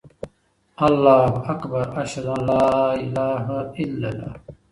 اللهاکبر، اشهدان الاله االاهلل